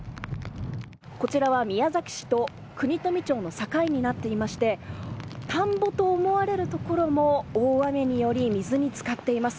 こちらは宮崎市と国富町の境になっていまして田んぼと思われるところも大雨により水につかっています。